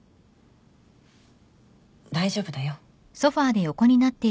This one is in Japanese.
大丈夫だよ。